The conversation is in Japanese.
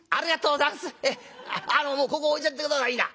あのもうここ置いちゃって下さいな。